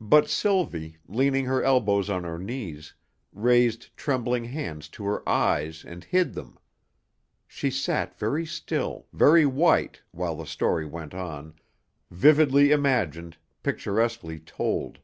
But Sylvie, leaning her elbows on her knees, raised trembling hands to her eyes and hid them. She sat very still, very white, while the story went on, vividly imagined, picturesquely told.